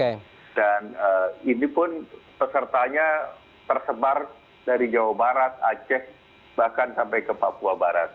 dan ini pun pesertanya tersebar dari jawa barat aceh bahkan sampai ke papua barat